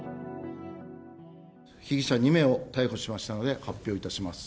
被疑者２名を逮捕しましたので、発表いたします。